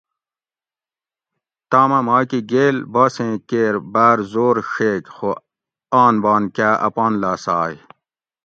تام اۤ ماکہ گیل باسیں کیر باۤر زور ڛیگ خو آن بان کاۤ اپان لاسائ